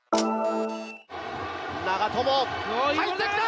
長友、入ってきた！